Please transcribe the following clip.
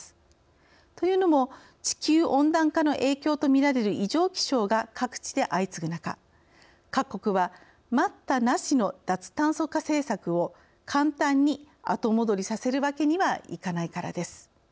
というのも地球温暖化の影響とみられる異常気象が各地で相次ぐ中各国は待ったなしの脱炭素化政策を簡単に後戻りさせるわけにはいかないからです。